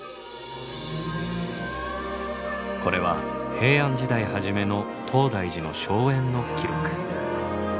これは平安時代初めの東大寺の荘園の記録。